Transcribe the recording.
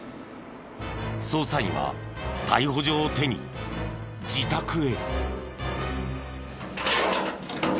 捜査員は逮捕状を手に自宅へ。